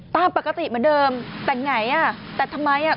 ตามปกติเหมือนเดิมแต่ไงอ่ะแต่ทำไมอ่ะ